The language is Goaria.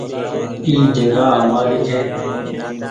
اي جگآ همآري ڇي۔